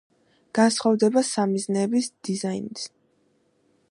განსხვავდება სამიზნეების დიზაინით.